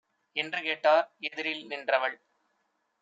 என்று கேட்டார். எதிரில் நின்றவள்